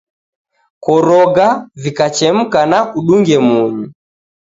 Koroga, vikachemka na kudunge munyu.